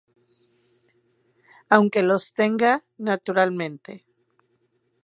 Aunque los tenga, naturalmente.